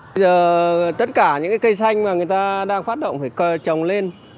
bây giờ tất cả những cây xanh mà người ta đang phát động phải trồng lên